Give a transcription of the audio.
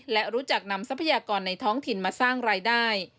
และรู้จักนำทรัพยากรในท้องถิ่นมาสร้างรายได้